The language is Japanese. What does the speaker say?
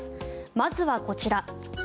まずはこちら。